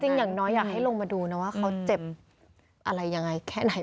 อย่างน้อยอยากให้ลงมาดูนะว่าเขาเจ็บอะไรยังไงแค่ไหน